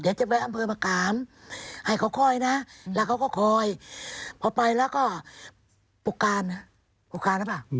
เดี๋ยวจะไปอำเภอมะกามให้เขาคอยนะแล้วเขาก็คอยพอไปแล้วก็ปกการปกการหรือเปล่า